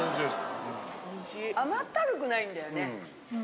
甘ったるくないんだよね。